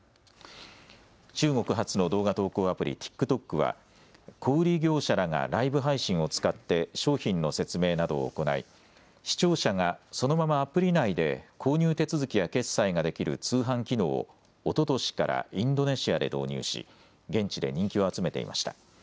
中国発の動画投稿アプリ、ＴｉｋＴｏｋは小売業者らがライブ配信を使って商品の説明などを行い視聴者がそのままアプリ内で購入手続きや決済ができる通販機能をおととしからインドネシアで導入し現地で人気を集めていました。